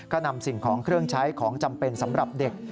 ก็นำสิ่งของเครื่องใช้ของจำเป็นสำหรับเด็ก